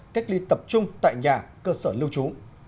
cách ly tập trung tại nhà cơ sở lưu trú